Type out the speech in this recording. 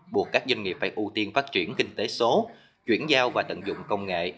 buộc các doanh nghiệp phải ưu tiên phát triển kinh tế số chuyển giao và tận dụng công nghệ